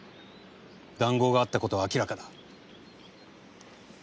談合があったことは明らかだ。